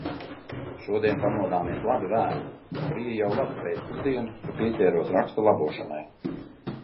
Šodien pamodāmies labi vēlu. Bija jau laba pēcpusdiena, ka pieķēros raksta labošanai.